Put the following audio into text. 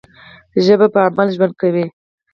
ژبه په عمل ژوند کوي.